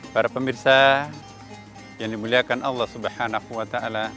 para pemirsa yang dimuliakan allah swt